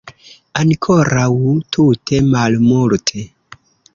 Ankoraŭ tute malmulte.